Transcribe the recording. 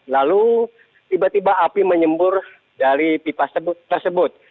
lalu tiba tiba api menyembur dari pipa tersebut